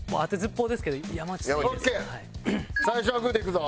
「最初はグー」でいくぞ。